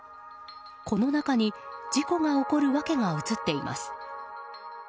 この中に、事故が起こる訳が映っています。